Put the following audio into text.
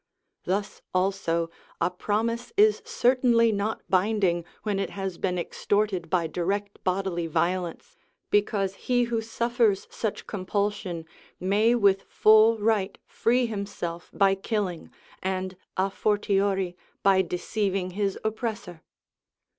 Thus, also, a promise is certainly not binding when it has been extorted by direct bodily violence, because he who suffers such compulsion may with full right free himself by killing, and, a fortiori, by deceiving his oppressor.